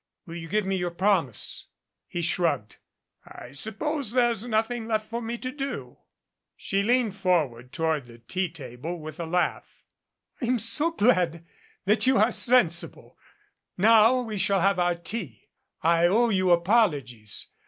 Will you give me your promise ?" He shrugged. "I suppose there is nothing left for me to do." 317 MADCAP She leaned forward toward the tea table with a laugh. "I'm so glad that you are sensible. Now we shall have our tea. I owe you apologies.